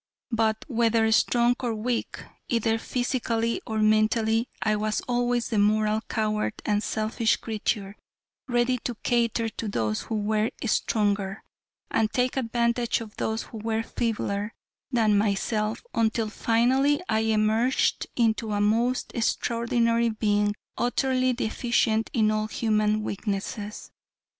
But whether strong or weak, either physically or mentally, I was always the moral coward and selfish creature, ready to cater to those who were stronger, and take advantage of those who were feebler than myself, until finally I emerged into a most extraordinary being, utterly deficient in all human weaknesses.